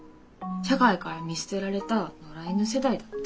社会から見捨てられた野良犬世代だって。